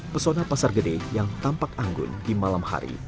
pesona pasar gede yang tampak anggun di malam hari